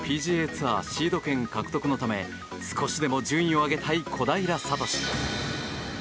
ツアーシード権獲得のため少しでも順位を上げたい小平智。